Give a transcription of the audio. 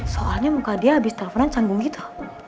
soalnya muka dia habis teleponan canggung gitu